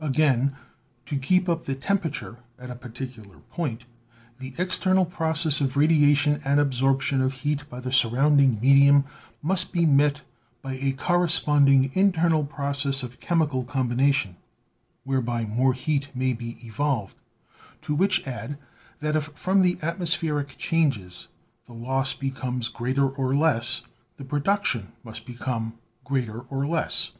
Again, to keep up the temperature at a particular point, the external process of radiation and absorption of heat by the sur rounding medium, must be met by a corresponding internal process of chemical combination, whereby more heat may be evolved ; to which add, that if from atmospheric changes the loss becomes greater or less, the production must be come greater or less.